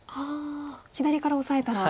左からオサえたら。